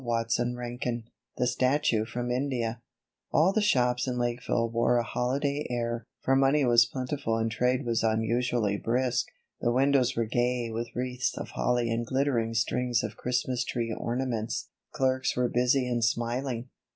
CHAPTER XXIV The Statue from India ALL the shops in Lakeville wore a holiday air, for money was plentiful and trade was unusually brisk. The windows were gay with wreaths of holly and glittering strings of Christmas tree ornaments. Clerks were busy and smiling.